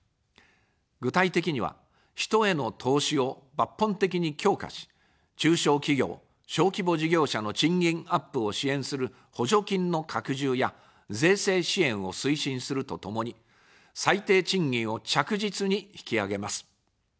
具体的には、人への投資を抜本的に強化し、中小企業・小規模事業者の賃金アップを支援する補助金の拡充や税制支援を推進するとともに、最低賃金を着実に引き上げます。